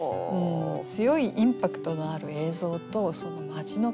強いインパクトのある映像と町の気分